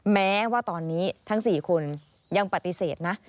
แม้ว่าตอนนี้ทั้ง๔คนยังปฏิเสธนะ